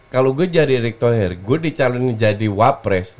kalau gue jadi erick thohir gue dicalonin jadi wapres